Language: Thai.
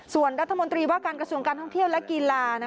ส่วนรัฐมนตรีว่าการกระทรวงการท่องเที่ยวและกีฬา